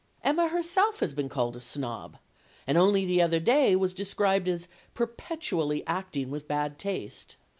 Emma herself has been called a snob, and only the other day was described as "perpetually acting with bad taste."